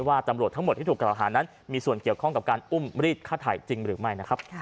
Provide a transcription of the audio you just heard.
ว่าตำรวจทั้งหมดที่ถูกกับราหารนั้นมีส่วนเกี่ยวข้องกับการอุ้มรีดค่าไถ่จริงหรือไม่